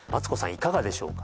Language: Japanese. いかがでしょうか？